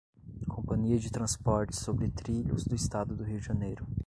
Companhia de Transportes Sobre Trilhos do Estado do Rio de Janeiro